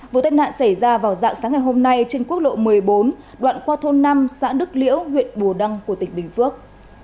vụ tai nạn xảy ra vào dạng sáng ngày hôm nay trên quốc lộ một mươi bốn đoạn qua thôn năm xã đức liễu huyện bù đăng của tỉnh bình phước